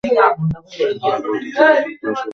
পুনরায় বলিতেছি, বেদান্ত আশাবাদী বা নৈরাশ্যবাদী নহে।